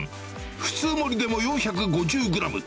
普通盛りでも４５０グラム。